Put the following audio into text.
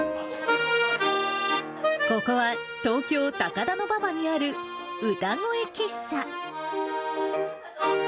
ここは東京・高田馬場にある歌声喫茶。